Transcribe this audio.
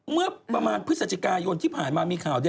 เมื่อประมาณพฤศจิกายนที่ผ่านมามีข่าว